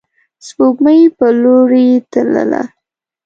د سپوږمۍ په لوري تلله